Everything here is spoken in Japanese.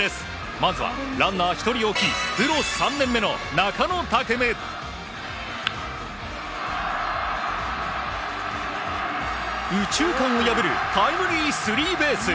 まずはランナー１人を置きプロ３年目の中野拓夢。右中間を破るタイムリースリーベース。